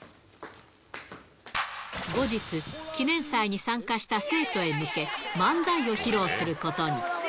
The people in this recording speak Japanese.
後日、記念祭に参加した生徒へ向け、漫才を披露することに。